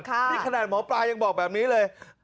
นี่ขนาดหมอปลายังบอกแบบนี้เลย